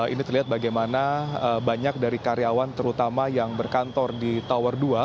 ini terlihat bagaimana banyak dari karyawan terutama yang berkantor di tower dua